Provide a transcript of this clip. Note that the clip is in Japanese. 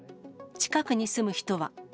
近くに住む人は。